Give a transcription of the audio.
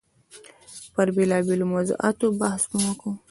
پر بېلابېلو موضوعاتو بحث مو کاوه.